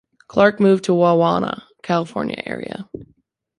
Clark moved to the Wawona, California area.